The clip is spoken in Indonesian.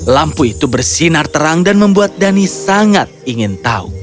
lampu itu bersinar terang dan membuat dhani sangat ingin tahu